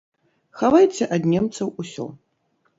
Хавайце ад немцаў усё!